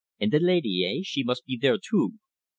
"And the laidee eh? She must be there too."